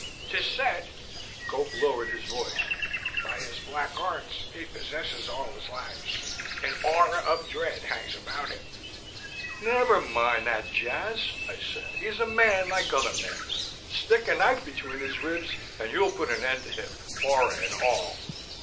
'Tis said " Gope lowered his voice, " by his black arts he possesses all his lives. An aura of dread hangs about him " "Never mind that jazz," I said. "He's a man, like other men. Stick a knife between his ribs and you put an end to him, aura and all."